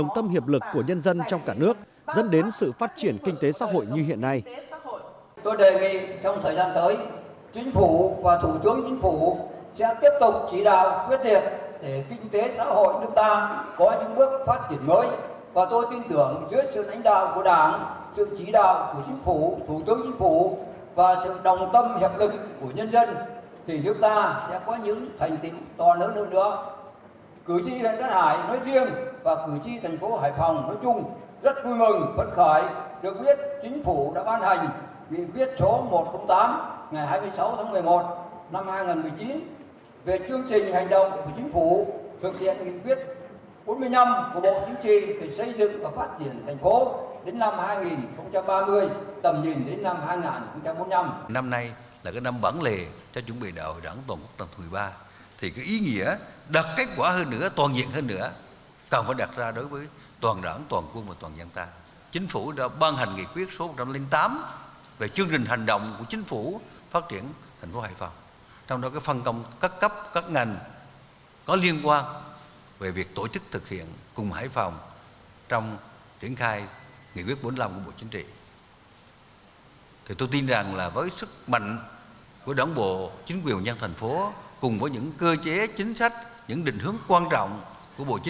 tại buổi tiếp xúc cử tri bày tỏ tin tưởng dưới sự lãnh đạo của đảng sự chỉ đạo của chính phủ thủ tướng chính phủ và sự đồng tâm hiệp lực của nhân dân trong cả nước